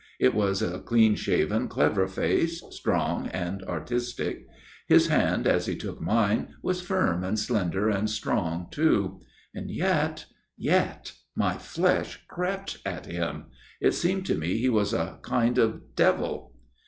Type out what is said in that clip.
It was a clean shaven, clever face, strong and artistic ; his hand, as he took mine, was firm and slender and strong too. And yet yet my flesh crept at him. It seemed to me he was a kind of devil.